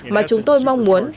mà chúng tôi mong muốn